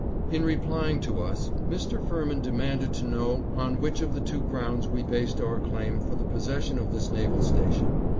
"In replying to us, Mr. Firmin demanded to know on which of the two grounds we based our claim for the possession of this naval station.